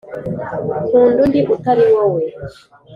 nkunda undi utari wowe rwose.